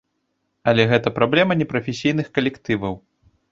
Але гэта праблема непрафесійных калектываў.